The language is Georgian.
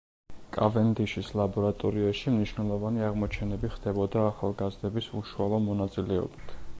კავენდიშის ლაბორატორიაში მნიშვნელოვანი აღმოჩენები ხდებოდა ახალგაზრდების უშუალო მონაწილეობით.